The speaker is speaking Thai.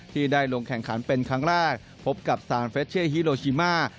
ที่ได้ลงแข่งขันเป็นครั้งแรกพบกับซานเฟชเช่ฮิโลชิมา